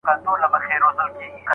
پخوا يو د بل درناوی نه کمېدی.